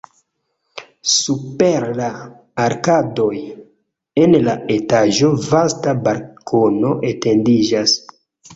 Super la arkadoj en la etaĝo vasta balkono etendiĝas.